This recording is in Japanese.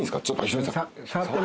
触って。